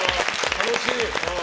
楽しい！